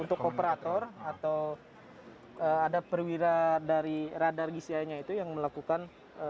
untuk operator atau ada perwira dari radar gsi nya itu yang melakukan